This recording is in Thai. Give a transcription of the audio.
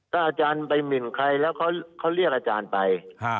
ถ้าอาจารย์ไปหมินใครแล้วเขาเรียกอาจารย์ไป